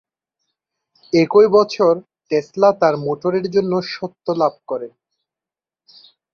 একই বছর টেসলা তার মোটরের জন্য স্বত্ব লাভ করেন।